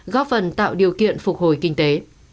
góp phần tạo điều kiện phục hồi kinh tế